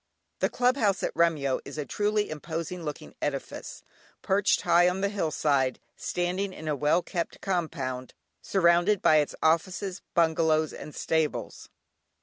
The Club House at Remyo is a truly imposing looking edifice, perched high on the hill side, standing in a well kept compound, surrounded by its offices, bungalows, and stables.